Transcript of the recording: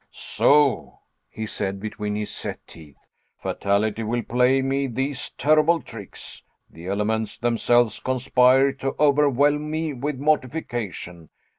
"So," he said, between his set teeth, "fatality will play me these terrible tricks. The elements themselves conspire to overwhelm me with mortification.